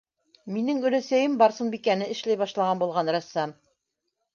Минең өләсәйем Барсынбикәне эшләй башлаған булған рәссам.